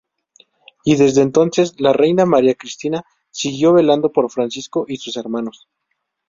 Y desde entonces, la reina María Cristina siguió velando por Francisco y sus hermanos.